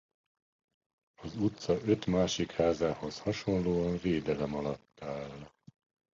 Az utca öt másik házához hasonlóan védelem alatt áll.